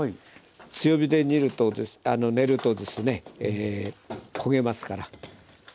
強火で練るとですね焦げますから。